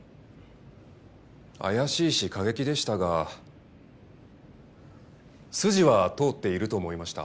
怪しいし過激でしたが筋は通っていると思いました。